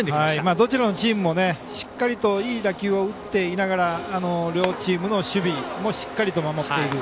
どちらもチームもしっかりといい打球を打っていながら両チームの守備もしっかりと守っている。